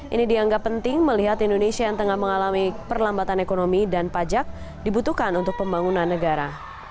ini dianggap penting melihat indonesia yang tengah mengalami perlambatan ekonomi dan pajak dibutuhkan untuk pembangunan negara